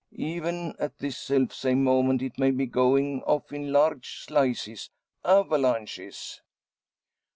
Even at this self same moment it may be going off in large slices avalanches!"